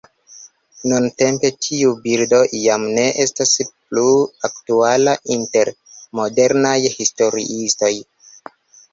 Nuntempe tiu bildo jam ne estas plu aktuala inter modernaj historiistoj.